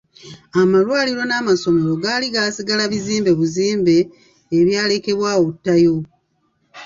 Amalwaliro n'amasomero gaali gaasigala bizimbe buzimbe ebyalekebwa awo ttayo.